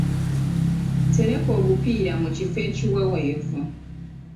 Tereka obupiira mu kifo ekiweweevu.